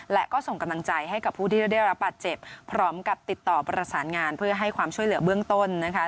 และก็ส่งกำลังใจให้กับผู้ที่ได้รับบาดเจ็บพร้อมกับติดต่อประสานงานเพื่อให้ความช่วยเหลือเบื้องต้นนะคะ